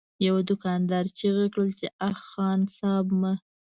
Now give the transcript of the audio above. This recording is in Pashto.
يوه دوکاندار چيغه کړه: اه! خان صيب! مه!